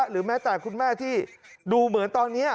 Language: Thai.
หรือแม้แต่คุณแม่ที่ดูเหมือนตอนนี้